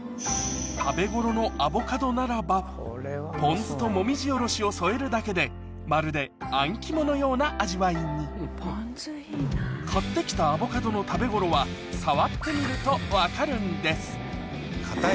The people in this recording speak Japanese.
食べごろのアボカドならばポン酢ともみじおろしを添えるだけでまるであん肝のような味わいに買って来たアボカドの食べごろは触ってみると分かるんです硬い